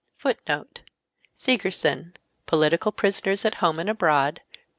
Siegerson, Political Prisoners at Home and Abroad, p.